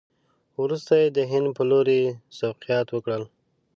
وروسته یې د هند په لوري سوقیات وکړل.